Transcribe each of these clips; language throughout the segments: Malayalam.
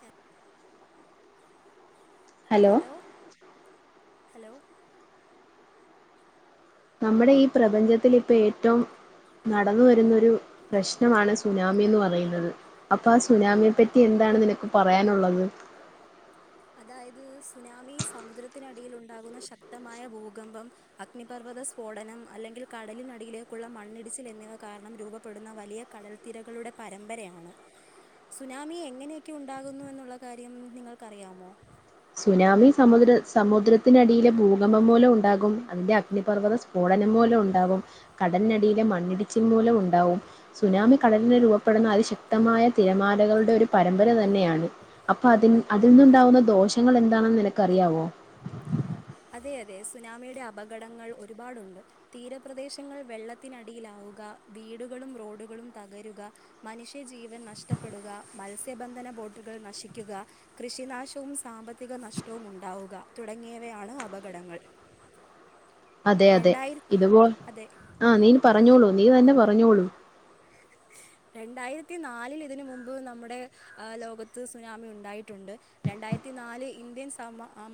ഹ ഹലോ ഹലോ നമ്മുടെ ഈ പ്രപഞ്ചത്തിൽ ഇപ്പൊ ഏറ്റവും നടന്ന വരുന്ന ഒരു പ്രശ്നമാണ് സുനാമി എന്ന് പറയുന്നത് അപ്പൊ ആ സുനാമിയെ പറ്റി എന്താ ാണ് നിനക്ക് പറയാനുള്ളത് അതായത് സുനാമി സമുദ്രത്തിനടിയില ഉണ്ടാകുന്ന ശക്തമായ ഭൂകമ്പം അഗ്നിപർവ്വത സ്ഫോടനം അല്ലെങ്കിൽ കടലിനടിയിലിലേക്കുള്ള മണ്ണിടിച്ചിൽ എന്നിവ കാരണം രൂപപ്പെടുന്ന വലിയ കടൽത്തിരകളുടെ പരമ്പരയാണ് സുനാമി എങ്ങനെയൊക്കെ ഉണ്ടാകുന്നു എന്നുള്ള കാര്യം നിങ്ങൾക്ക്റിയാമോ ലോ സനാമി സമുദ്ര സമുദ്രത്തിനടിയിലെ ഭൂകമ്പം മലം ഉണ്ടാകും അതിന്റെ അഗ്നിപർവ്വത സ്ഫോടനം മോലം ഉണ്ടാവും കടലിനടിയിലെ മണ്ണിടിച്ചിൽ മൂലം ഉണ്ടാവും സുനാമി കടലിനെ രൂപപ്പെടുന്ന അതിശക്തി ശക് മ തിരമാലകളുടെ ഒരു പരമ്പര തന്നെയാണ് അപ്പൊ അതി അതിൽന്നുണ്ടാവുന്ന ദോഷ പ്രങ്ങൾ എന്താണെന്ന് നിനക്ക്റിയമോ അതെ അതെ സുനാമിയുടെ അപകടങ്ങൾ ഒരുപാടുണ്ട് തീരപ്രദേശങ്ങൾ വെള്ളത്തിനടിയിലാവും വീടുകളും റോഡുകളും തകരുക മനുഷ്യജീവൻ നഷ്ടപ്പെടുക മത്സ്യബന്ധ ബോട്ടുകൾ നശിക്കുക കൃഷിനാശവും സാമ്പത്തിക നഷ്ടവും ഉണ്ടാവുക തുടങ്ങിയ വയാണ് അപകടങ്ങൾ അതെ അതെ രണ്ടായിര ഇത്പോ അതെ ആഹ നീൻ പറഞ്ഞോളൂ നീ തന്നെ പറഞ്ഞോളൂ രണ്ടായിരത്തി നാലിൽ ഇതിനന് മുമ്പ് നമ്മുടെ ലോകത്ത് സുനാമി ഉണ്ടായിട്ടുണ്ട് രണ്ട യിരത്തി നാല് ഇന്ത്യൻ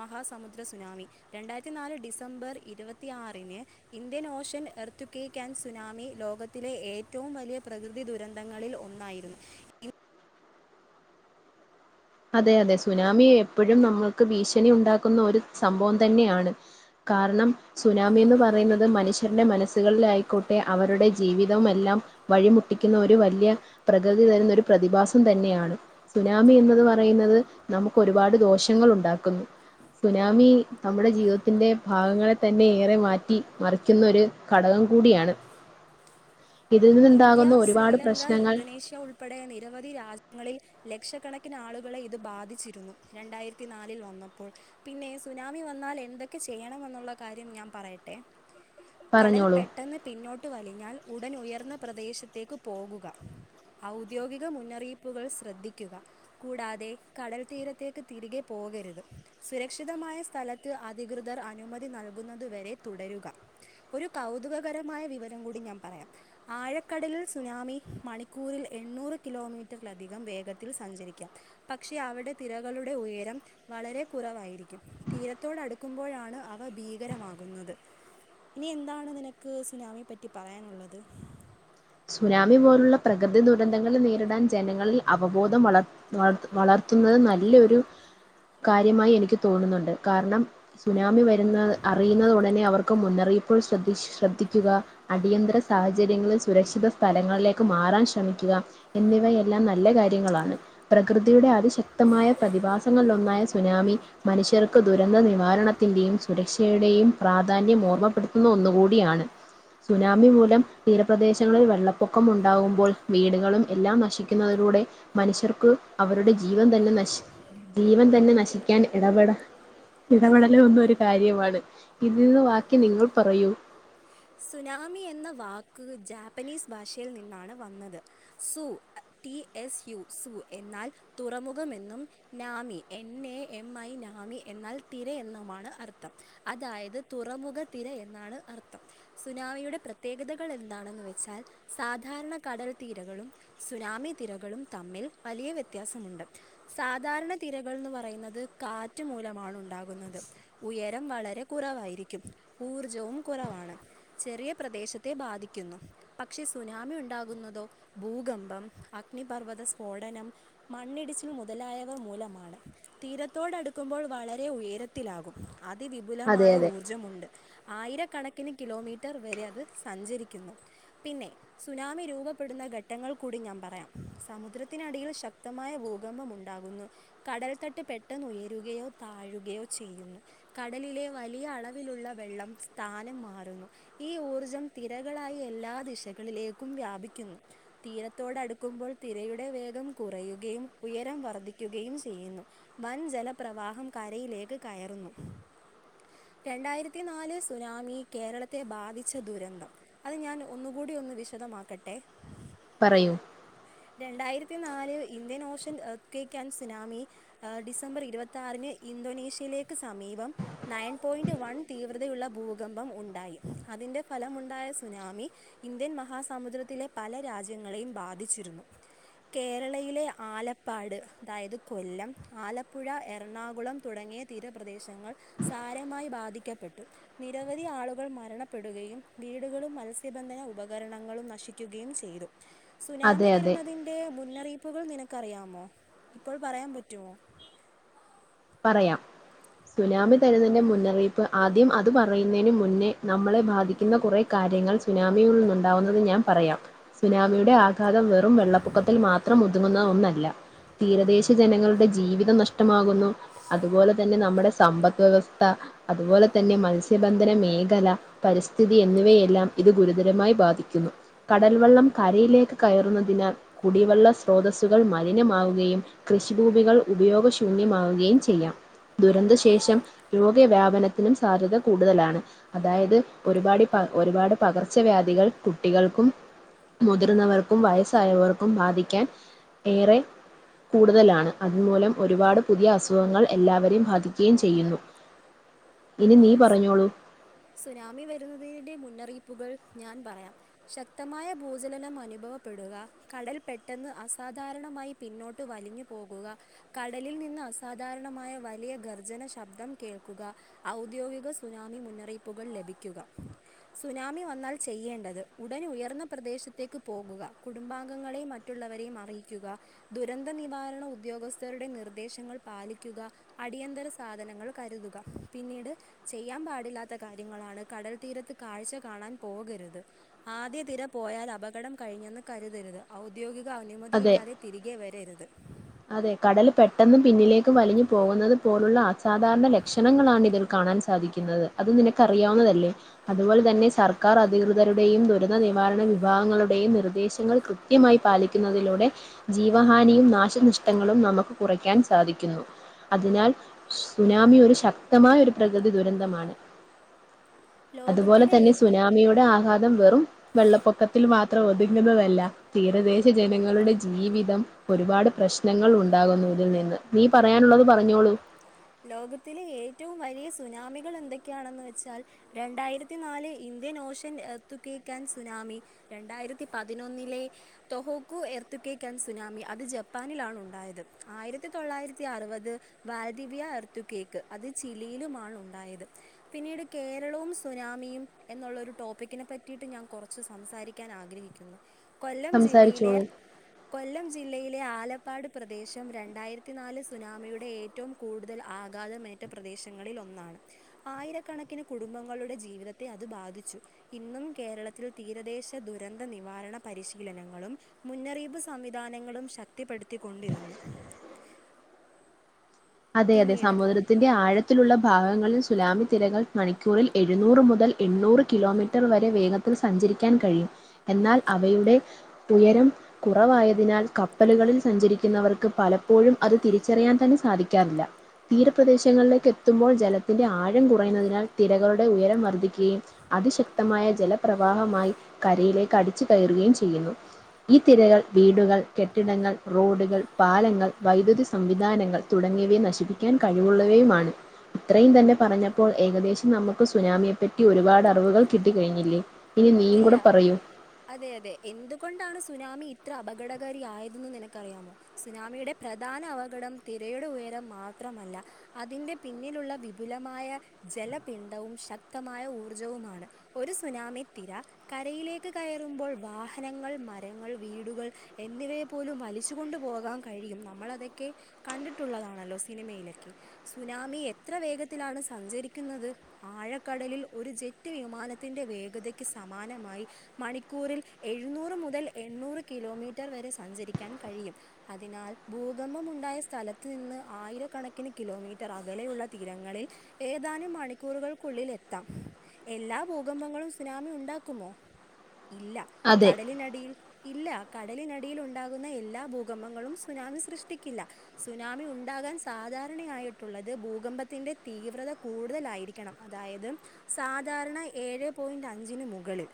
മഹാസമുദ്ര സുനാമി രണ്ടായിരത്തി നാല് ഡിസംബർ ഇരുപത്തി ആറ് ഞ് ഇന്ത്യൻ ഓഷൻ എർത്തക്കക്കാൻ സുനാമി ലോകത്തിലെ ഏറ്റവും വലിയ പ്രകൃതി ദുരിത ദുരന്തങ്ങളിൽ ഒന്നായിരുന്നു അതെ അതെ സുനാമിയെ എപ്പോഴും നമ്മൾക്ക് ഭീഷണി ഉണ്ടാക്കുന്ന ഒരു സംഭവം തന്നെയാണ് കാരണം സുനാമി എന്ന് പറയുന്നത് മനുഷ്യന്റെ മനസ്സുകളിലായിക്കോട്ടെ അവരുടെ ജീവിതവല്ലാം വഴിമുട്ടിക്കുന്ന ഒരു വലിയ പ്രകൃതി തരുന്ന ഒരു പ്രതിഭാസം തന്നെയാണ് സുനാമി എന്നത് പറ പറയുന്നത് നമുക്ക് ഒരുപാട് ദോഷങ്ങൾ ഉണ്ടാക്കുന്നു സുനാമി നമ്മുടെ ജീവിതത്തിന്റെ ഭാഗങ്ങളെ തന്നെ ഏറെ മാറ്റി മറിക്കുന്നൊ ഒരു ഘടകം കൂടിയാണ് ഇതിൽ ഇന്ത്യ നിന്നുണ്ടാകുന്ന ഒരുപാട് ശ്രീലങ്ക പ്രശ്നങ്ങൾ ഇന്തോനേഷ്യ ഉൾപ്പെടെ നിരവധി രാജ്യങ്ങളിൽ ലക്ഷക്കണക്കിന് ആളുകളെ ഇത് ബാധിച്ചിരുന്നു രണ്ടായിരത്തി നാലിൽ വന്നപ്പോൾ പിന്നെ സുനാമി വന്ന എന്നാൽ എന്തൊക്കെ ചെയ്യണം എന്നുള്ള കാര്യം ഞാൻ പറയട്ടെ കടൽ പറഞ്ഞോളൂ പെട്ടെന്ന് പിന്നോട്ട് വലിഞ്ഞാൽ ഉടൻ ഉയർന്ന പ്രദേശത്തേക്ക് പോകുക ഔദ്യോഗിക മുന്നറിയിപ്പുകൾ ശ്രദ്ധിക്കുക കൂടാതെ കടൽ തീരത്തേക്ക് തിരികെ പോകരുത് സുരക്ഷിതമായ സ്ഥലത്ത് അധികൃതർ അനുമതി നൽകുന്നത് വരെ തുടരുക ഒരു കൗതുകകരമായ വിവരം കൂടി ഞാൻ പറയാം ആഴക്കടലിൽ സുനാമി മണിക്കൂറിൽ എണ്ണൂറ് കിലോമീറ്ററിലധികം വേഗത്തിൽ സഞ്ചരിക്കാം പക്ഷെ അവവിടെ തിറകളുടെ ഉയരം വളരെ കുറവായിരിക്കും തീരത്തോട്ടുക്കുമ്പോഴാണ് അവ ഭീകരമാകുന്നത് ഇനി എന്താണ് നിനക്ക് സുനാമിയെ പറ്റി പറയാനുള്ളത് സുനാമി പോലുള്ള പ്രകൃതി ദുരന്തങ്ങളൾ നേരിടാൻ ജനങ്ങളിൽ അവബോധം വളർത്തുന്നത് നല്ലൊരു കാര്യമായി എനിക്ക് തോന്നുന്നുണ്ട് കാരണം സുനാമി വരുന്ന അറിയുന്നത് ഉടനെ അവർക്ക് മുന്നറിയി ഇപ്പോൾ ശ ശ്രദ്ധിക്കുക അടിയന്തര സാഹചര്യങ്ങളിൽ സുരക്ഷ സ്ഥലങ്ങളിലേക്ക് മാറാൻ ശ്രമിക്കുക എന്നിവയെല്ലാം നല്ല കാര്യങ്ങളാണ് പ്രകൃതിയുടെ ശക്തമായ പ്രതിഭാസങ്ങളിലൊന്നായ സുനാമി മനുഷ്യർക്ക് ദുരന്ത നിവാരണത്തിന്റെയും സുരക്ഷ ടെയും പ്രാധാന്യം ഓർമ്മപ്പെടുത്തുന്ന ഒന്നുകൂടിയാണ് സുനാമി മൂലം തീരപ്രദേ ങ്ങളിൽ വെള്ളപ്പൊക്കം ഉണ്ടാകുമ്പോൾ വീടുകളും എല്ലാം നശിക്കുന്നതിലൂടെ മനുഷ്യർക്ക് അവരുടെ ജി ജീവൻ തന്നെ നശി ജീവൻ തന്നെ നശിക്കാൻ ഇടപെട ഇടപെടല് ഒന്ന് ഒരു കാര്യമാണ് ഇതിൽ നിന്ന് ബാക്കി നിങ്ങൾ പറയൂ സുനാമി എന്ന വാക്ക് ജാപ്പനീസ് ഭാഷയിൽ നിന്നാണ് വന്നത് സു ടി എസ് യു സു എന്നാൽ തുറമുഖമെന്നും നാമി എൻ എ എം ഐ നാ മി എന്നാൽ തിര എന്നുമാണ് അർത്ഥം അതായത് തുറമുഖ തിര എന്നാണ് അർത്ഥം സുനാമിയുടെ പ്രത്യേകതകൾ എന്താണെന്ന് വെച്ചാൽ സാധാരണ കടൽ തീരങ്ങളും സുനാമി തിരകളും തമ്മിൽ വലിയ വ്യത്യാസമുണ്ട് സാധാരണ തിരകൾ എന്ന് പറയുന്നത് കാറ്റ് മോ മൂലമാണ് ഉണ്ടാകുന്നത് ഉയരം വളരെ കുറവായിരിക്കും ഊർജവും കുറവാണ് ചെറിയ പ്രദേശത്തെ ബാധിക്കുന്നു പക്ഷെ സുനാമി ഉണ്ടാകുന്നതോ ഭൂകമ്പം അഗ്നി പർവ്വത സ്ഫോടനം മണ്ണിടിച്ചിൽ മുതലായ മൂലമാണ് തീരത്തോടടുക്കുമ്പോൾ വ വളരെ ഉയരത്തിലാകും അതെ അതിവിപുലമായ അതെ ഊർജ്ജമുണ്ട് ആയിരക്കണക്കിന് കിലോമീ റ്റർ വരെ അത് സഞ്ചരിക്കുന്നു പിന്നെ സുനാമി രൂപപ്പെടുന്ന ഘട്ടങ്ങൾ കൂടി ഞാൻ പറയാം സമുദ്രത്തിനടിയിൽ ശക്തമായ ഭൂകമ്പം ഉണ്ടാകുന്നു. കടൽ തട്ട് പെട്ടെന്ന് ഉയരുകയോ താഴുകയോ ചെയ്യുന്നു. കടലിലെ വലിയ അളവിലുള്ള വെള്ളം സ്ഥാനം മാറുന്നു ഈ ഊർജം തിരകളായി എല്ലാ ദിശകളിലേക്കും വ്യാപിക്കുന്നു. തീരത്തോടടുക്കും മ്പോൾ തിരയുടെ വേഗം കുറയുകയും ഉയരം വർദ്ധിക്കുകയും ചെയ്യുന്നു. വൻ ജലപ്രവാ കരയിലേക്ക് കയറുന്നു രണ്ടായിരത്തി നാല് സുനാമി കേരളത്തി ത്തെ ബാധിച്ച ദുരന്തം അത് ഞാൻ ഒന്നുകൂടി ഒന്ന് വിശദമാക്കട്ടെ പറയൂ രണ്ടായിരത്തി നാല് ഇന്ത്യൻ ഓഷൻക്കൻ സുനാമി ഡിസംബർ ഇരുപത്തി ആറിന് ഇന്തോനേഷ്യയിലേക്ക് സമീപം നയൻ പോയിൻ്റ് വൺ തീവ്രതയുള്ള ഭൂകമ്പം ഉണ്ടായി അതിന്റെ ഫലമുണ്ടായ സുനാമി ഇന്ത്യൻ മഹാസമുദ്രത്തിലെ പല രാജ്യങ്ങളെയും ബാധിച്ചു രുന്നു കേരളയിലെ ആലപ്പാട് അതായത് കൊല്ലം ആലപ്പുഴ എറണാകുളം തുടങ്ങിയ തീരപ്രദേശങ്ങൾ സാരമായി ബാധിക്കപ്പെട്ടു നിരവധി ആളുകൾ മ രണപ്പെടുകയും വീടുകളും മത്സ്യബന്ധന ഉപകരണങ്ങളും നശിക്കുകയും ചെയ്തു. അതെ സുനാമി അതെ വരുന്നതിന്റെ മു ന്നറിയിപ്പുകൾ നിനക്കറിയാമോ ഇപ്പോൾ പറയാൻ പറ്റുമോ? പറയാം. സുനാമി തരുന്നന്റെ മുന്നറിയിപ്പ് ആദ്യം അത് പറയുന്നതിനന് മുന്നേ നമ്മളെ ബാധിക്കുന്ന കുറെ ക ര്യങ്ങൾ സുനാമിയിൽ നിന്നുണ്ടാവുന്നത് ഞാൻ പറയാം സുനാമിയുടെ ആ ഘാതം വെറും വെള്ളപ്പൊക്കത്തിൽ മാത്രം ഒതുങ്ങുന്ന ഒന്നാ ല്ല തീരദേശ ജനങ്ങളുടെ ജീവിതം നഷ്ടമാകുന്നു അതുപോലെ തന്നെ നമ്മുടെ സമ്പദ് വ്യവസ്ഥ അതുപോലെ തന്നെ മത്സ്യബന്ധന മേഖല പരിസ്ഥിതി എന്നിവയെല്ലാം. ഇത് ഗുരുതരമായി ബാധിക്കുന്നു കടൽവെള്ളം കരയിലേക്ക് കയറുന്നതിനാൽ കുടിവെള്ള സ്രോതസ് സുകൾ മലിനമാവുകയും കൃഷിഭൂപികൾ ഉപയോഗശൂന്യമാവുകയും ചെയ്യാം. ദുരന്തശേഷം രോഗവ്യാപനത്തിനും സാധ്യത കൂടുതലാണ് അതായത് ഒരുപാട് പ ഒരുപാട് പകർച്ചവ്യാധികൾ കുട്ടികൾക്കും മുതിർന്നവർക്കും വയസ്സായവർക്കും ബാധിക്കാൻ ഏറെ കൂടുതലാണ് അത് മൂലം ഒരുപാട് പുതിയ അസ സുഖങ്ങൾ എല്ലാവരെയും ബാധിക്കുകയും ചെയ്യുന്നു. ഇനി നീ പറഞ്ഞോളൂ. സുനാമി വരുന്നതിന്റെ മുന്നറിയിപ്പ് കൾ ഞാൻ പറയാം ശക്തമായ ഭൂചലനം അനുഭവപ്പെടുക കടൽ പെട്ടെന്ന് അസാ സാധാരണമായി പിന്നോട്ട് വലിഞ്ഞു പോകുക കടലിൽ നിന്ന് അസാധാരണമായ വലിയ ഗർജന ശബ്ദം കേൾക്കുക ഔ ഔദ്യോഗിക സുനാമി മുന്നറിയിപ്പുകൾ ലഭിക്കുക സുനാമി വന്നാൽ ചെയ്യേണ്ടത് ഉടൻ ഉയർ ർന്ന പ്രദേശത്തേക്ക് പോകുക കുടുംബാംഗങ്ങളെയും മറ്റുള്ളവരെയും അറിയിക്കുക ദുരന്ത നിവാരണ ഉദ്യോഗസ്ഥരുടെ നിർദ്ദേശങ്ങൾ പാലിക്കുക അടിയന്തര സാധനങ്ങൾ കരുതുക പിന്നീട് ചെയ്യാൻ പാടില്ലാത്ത കാര്യങ്ങളാണ് കടൽ തീരത്ത് കാഴ്ച കാണാൻ പോകരുത് ആദ്യ ദേ പോയാൽ അപകടം കഴിഞ്ഞെന്ന് കരുതരുത് ഔദ്യോഗിക ക അനുമതി അതെ ഇല്ലാതെ തിരികെ വരരുത് അതെ കടൽ പെട്ടെന്ന് പിന്നിലേക്കും വലിഞ്ഞു പോകുന്നത് പോലുള്ള അസാധാരണ ലക്ഷണങ്ങളാണ് ഇതിൽ കാണാൻ സാധിക്കുന്നത് അത് നിനക്ക് അറിയാവുന്നതല്ലേ അതുപോലെ ത്ത തന്നെ സർക്കാർ അധികൃതരുടെയും ദുരന്ത നിവാരണ വിഭാഗങ്ങളുടെയും നിർദ്ദേശങ്ങൾ കൃത്യമായി പാലിക്കുന്നത് ലൂടെ ജീവഹാനിയും നാശ നഷ് ട്ടങ്ങളും നമുക്ക് കുറയ്ക്കാൻ സാധിക്കുന്നു അതിനാൽ സുനാമി ഒരു ശക്തമായ ഒരു പ്രകൃതി ത് ദുരന്തമാണ് അതുപോലെ ലോകത്തിലെ തന്നെ സുനാമിയുടെ ആഘാതം വെറും വെള്ളപ്പൊക്കത്തിൽ മാ ത്രഒതുങ്ങുന്നതല്ല തീരദേശ ജനങ്ങളുടെ ജീവിതം ഒരുപാട് പ്രശ് നങ്ങൾ ഉണ്ടാകുന്നു ഇതിൽ നിന്ന് നീ പറയാനുള്ളത് പറഞ്ഞോളൂ ലോകത്തിലെ ഏറ്റവും വലിയ സുനാമികൾ എന്തൊക്കെയാണെന്ന് വെച്ചാൽ രണ്ടായിരത്തി നാല് ഇ ഇന്ത്യൻ ഓഷൻ എത്തുകക്കാൻ സുനാമി രണ്ടായിരത്തി പതിനൊന്നിലെ തൊഹോക്കു എർത്ത കേക്കാൻ സുനാമി അത് ജപ്പാനിലാണ് ഉണ്ടായത് ആയിരത്തി തൊള്ളായിരത്തി അറുപത് വാ ദിവ്യ എർത്തു കേക്ക് അത് ചിലിയിലുമാണ് ഉണ്ടായത് പിന്നീട് കേരളവും സുനാമിയും എന്നുള്ളൊരു ടോപ്പിക്കിനെ പറ്റിട്ട് ഞാൻ കൊറച്ച് സംസാരിക്കാൻ ആഗ്രഹിക്കുന്നു കൊല്ലം ജില്ലയിലെ സംസാരിച്ചോളൂ. കൊല്ലം ജ് ജില്ലയിലെ ആലപ്പാട് പ്രദേശം രണ്ടായിരത്തി നാല് സുനാമിയുടെ ഏ ഏറ്റവും കൂടുതൽ ആഘാതമേറ്റ പ്രദേശങ്ങളിൽ ഒന്നാണ് ആയിരക്കണക്കിന് കുടുംബങ്ങളുടെ ജീവിത ത്തെ അത് ബാധിച്ചു ഇന്നും കേരളത്തിൽ തീരദേശ ദുരന്ത നിവാരണ പരിശീലനങ്ങളും മുന്നറിയിപ്പ് സംവിധാനങ്ങളും ശക്തിപ്പെടുത്തിക്കൊണ്ടിരുന്നു അതെ അതെ പിന്നീട് സമുദ്രത്തിന്റെ ആഴത് ത്തിലുള്ള ഭാഗങ്ങളിൽ സുനാമി തിരകൾ മണിക്കൂറിൽ എഴുന്നൂറ് മുതൽ എണ്ണൂറ് കിലോമീറ്റർ വരെ വേഗത്തി സഞ്ചരിക്കാൻ കഴിയും എന്നാൽ അവയുടെ ഉയരം കുറവായതിനാൽ കപ്പലുകൾ സഞ്ചരിക്കുന്നവർക്ക് പലപ്പോഴും അത് തിരിച്ചറിയാൻ തന്നെ സാധിക്കാറില്ല തീരപ്രദേശങ്ങളിലേക്ക് എത്തുമ്പോൾ ജലത്തിന്റെ ആഴം കുറയുന്നതിനാൽ തിരകളുടെ ഉയരം വർദ്ധിക്കുകയും അതിശക്തമായ ജലപ്രവാഹമായി കരയിലേക്ക് അടിച്ചു കയറുകയും ചെയ്യുന്നു ഈ തിരകൾ വീടുകൾ കെട്ടിടങ്ങൾ റോഡുകൾ പാലങ്ങൾ വൈദ്യുതി സംവിധാനങ്ങൾ തുടങ്ങിയവയെ നശിപ്പിക്കാൻ കഴിവുള്ളവയുമാണ് ഇത്രയും തന്നെ പറഞ്ഞപ്പോൾ ഏകദേശം നമക്ക് സുനാമി പ്പറ്റി ഒരുപാട് [unintelligible] അറിവുകൾ കിട്ടിക്കഴിഞ്ഞില്ലേ ഇനി നീയും ഇല്ല കൂടെ പറയൂ അതെ അതെ എന്തുകൊണ്ടാണ് സുനാമി ഇത്ര അപകടകാരിയതെന്ന് നിനക്കറിയാമോ സുനാമിയുടെ പ്രധാന അപകടം തിരയുടെ ഉയര് രം മാത്രമല്ല അതിന്റെ പിന്നിലുള്ള വിപുലമായ ജലപിണ്ടവും ശക്തമായ ഊറ് ർജവു ഒരു സുനാമിത്തിതിര കരയിലേക്ക് കയറുമ്പോൾ വാഹനങ്ങൾ മരങ്ങൾ വീ വീടുകൾ എന്നിവയെ പോലും വലിച്ചു കൊണ്ട് പോകാൻ കഴിയും നമ്മൾതൊക്കെ കണ്ടിട്ടുള്ളതാണല്ലോ സി നിമയിലൊക്കെ സുനാമി എത്ര വേഗത്തിലാണ് സഞ്ചരിക്കുന്നത് ആഴക്കടലിൽ ഒരു ജെറ്റ് വിമാനത്തിന്റെ വേഗതയ്ക്ക് സമാനമായി മണിക്കൂറിൽ എഴുന്നൂറ് മുതൽ എണ് എണ്ണൂറ് കിലോമീറ്റർ വരെ സഞ്ചരിക്കാൻ കഴിയും അതിനാൽ ഭൂകമ്പം ഉണ്ടായ സ്ഥലത്ത്നിന്ന് ആയിരക്കണക്കിന് കിലോമീറ്റർ അകലെയുള്ള തീരങ്ങളിൽ ഏതാനും മണിക്കൂറുകൾക്കുള്ളിൽ എത്ത് എല്ലാ ഭൂകമ്പങ്ങളും സുനാമി ഉണ്ടാക്കുമോ ഇല്ല അതെ കടലിനടിയിൽ ഇല്ല കടലിനടിയിൽ ഉണ്ടാകുന്ന എല്ലാ ഭൂകമ്പങ്ങളും സുനാമി സൃഷ്ടിക്കില്ല സുനാമി ഉണ്ടാ ക്കാൻ സാധാരണയായിട്ടുള്ളത് ഭൂകമ്പത്തിന്റെ തീവ്രത കൂടുതലായിരിക്കണം അതായത് സാധാരണ ഏഴെ പോയിന്റ് അഞ്ചിന് മുകളിൽ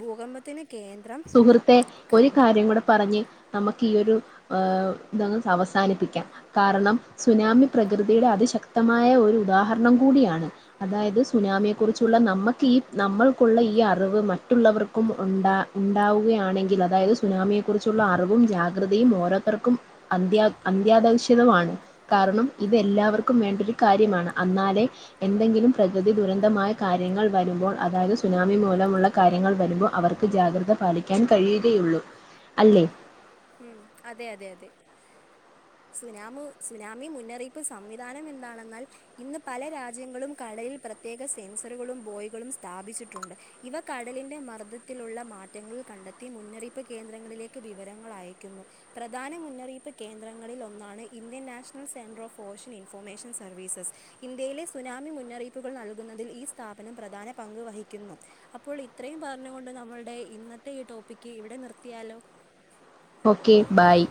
ഭൂകമ്പത്തിന് കേന്ദ്രം സുഹൃത്തെ ക ഒരു കാര്യം കൂടെ പറഞ്ഞ് നമുക്ക് ഈ ഒരു ഏഹ് അവസാനിപ്പിക്കാം കാരണം സുനാമി പ്രകൃതിയുടെ അതിശക്തമായ ഒ ഒരു ഉദാഹരണം കൂടിയാണ് അതായത് സുനാമിയെ കുറിച്ചുള്ള നമുക്ക് ഈ നമ്മൾക്കുള്ള ഈ അറിവും മറ്റുള്ളവർക്കും ഉണ്ട- ഉണ്ടാവുകയാണെങ്കിൽ അതായത് സുനാമിയെ കുറിച്ചുള്ള അറിവും ജാഗ്രതയും ഓരോത്തർക്കും അന്ത്യാ- അന്ത്യാദൗഷിതമാണ് കാരണം ഇത് എല്ലാവർക്കും വേണ്ടരു കാര്യമാണ് അന്നാലേ എന്തെങ്കിലും- പ്രകൃതി ദുരന്തമായ കാര്യങ്ങൾ വരുമ്പോൾ അതായത് സുനാമി മൂലമുള്ള കാര്യങ്ങൾ വരുമ്പോൾ അവർക്ക് ജാഗ്ര- പാലിക്കാൻ കഴിയുകയുള്ളൂ അല്ലേ ഉം അതെ അതെ അതെ ആ [unintelligible] സുനാമ സുനാമി മുന്നറിയിപ്പ് സംവിധാനം എന്താണെന്നാൽ ഇന്ന് പല രാജ്യങ്ങളും കടലിൽ [unintelligible] പ്രത്യേക സെൻസറുകളും ബോയികളും സ്ഥാപിച്ചിട്ടുണ്ട് ഇവ കടലിന്റെ മർദ്ദത്തിലുള്ള മാറ്റങ്ങൾ [unintelligible] കണ്ടെത്തി മുന്നറിയിപ്പ് കേന്ദ്രങ്ങളിലേക്ക് വി- വിവരങ്ങൾ അയക്കുന്നു പ്രധാന മുന്നറിയിപ്പ് കേന്ദ്രങ്ങളിൽ ഒന്നാണ് Indian National Centre of Ocean [unintelligible] information services ഇന്ത്യയിലെ സുനാമി മുന്നറിയിപ്പുകൾ നൽകുന്നതിൽ ഈ സ്ഥാപനം പ്രധാന പങ്കവഹി- ുന്നു അപ്പോൾ ഇത്രയും പറഞ്ഞുകൊണ്ട് നമ്മളുടെ ഇന്നത്തെ ഈ ടോപ്പിക്ക് ഇവിടെ നിർത്തിയാലോ ഓക്കെ ബായ്